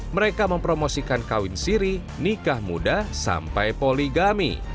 mereka mempromosikan kawin siri nikah muda sampai poligami